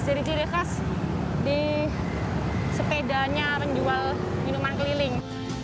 jadi ciri khas di sepedanya menjual minuman keliling